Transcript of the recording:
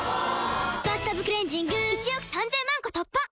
「バスタブクレンジング」１億３０００万個突破！